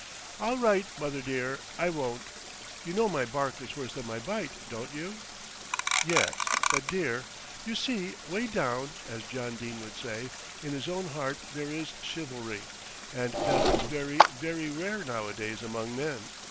"All right, mother dear, I won't; you know my bark is worse than my bite, don't you?" "Yes, but dear " "You see, way down, as John Dene would say, in his own heart there is chivalry, and that is very, very rare nowadays among men.